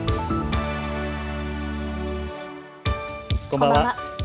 こんばんは。